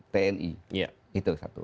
tanggung jawab tni